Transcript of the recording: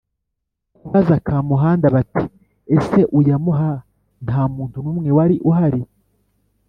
kubaza Kamuhanda bati: “Ese uyamuha nta muntu n’umwe wari uhari